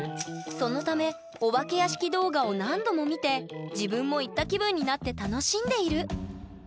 そのためお化け屋敷動画を何度も見て自分も行った気分になって楽しんでいる。